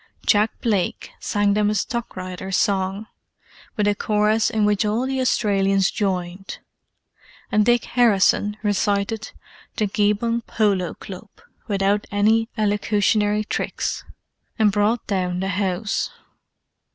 Jack Blake sang them a stockrider's song, with a chorus in which all the Australians joined; and Dick Harrison recited "The Geebung Polo Club," without any elocutionary tricks, and brought down the house.